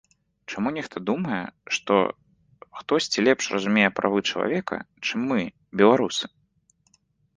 Чаму нехта думае, што хтосьці лепш разумее правы чалавека, чым мы, беларусы?